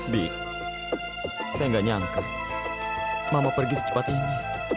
bi saya nggak nyangka mama pergi secepat ini